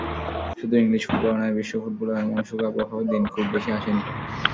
শুধু ইংলিশ ফুটবলে নয়, বিশ্ব ফুটবলেও এমন শোকাবহ দিন খুব বেশি আসেনি।